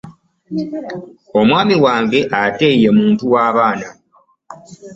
Omwami wange ate ye muntu wa baana.